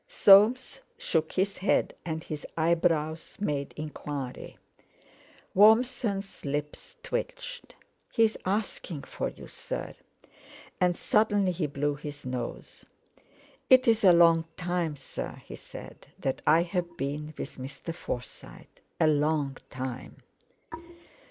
Soames shook his head, and his eyebrows made enquiry. Warmson's lips twitched. "He's asking for you, sir;" and suddenly he blew his nose. "It's a long time, sir," he said, "that I've been with Mr. Forsyte—a long time."